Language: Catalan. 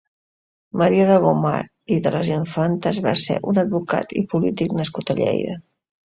Marià de Gomar i de las Infantas va ser un advocat i polític nascut a Lleida.